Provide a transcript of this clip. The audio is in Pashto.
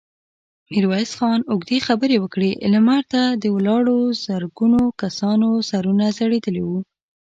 ميرويس خان اوږدې خبرې وکړې، لمر ته د ولاړو زرګونو کسانو سرونه ځړېدلي وو.